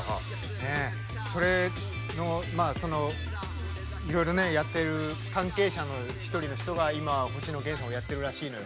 それのまあいろいろねやってる関係者の一人の人が今星野源もやってるらしいのよ。